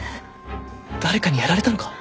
誰かにやられたのか？